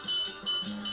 dari cerita yang diangkat